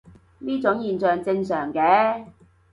呢種現象正常嘅